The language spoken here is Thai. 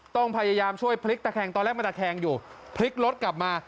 ต้องพยายามช่วยพลิกตะแคงตอนแรกมันตะแคงอยู่พลิกรถกลับมา